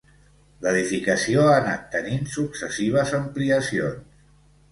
L'edificació ha anat tenint successives ampliacions.